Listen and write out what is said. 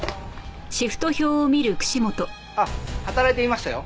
あっ働いていましたよ。